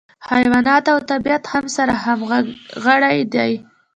حیوانات او طبیعت هم سره همغاړي دي.